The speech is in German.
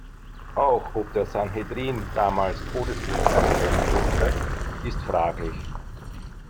Auch ob der Sanhedrin damals Todesurteile fällen durfte, ist fraglich.